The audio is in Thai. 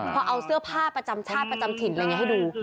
พอเอาเสื้อผ้าประจำชาติประจำถิ่นอะไรอย่างนี้ให้ดู